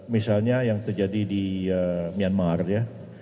misalnya yang terjadi di myanmar ya